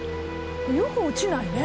よく落ちないね。